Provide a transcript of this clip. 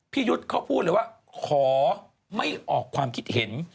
ยุทธ์เขาพูดเลยว่าขอไม่ออกความคิดเห็น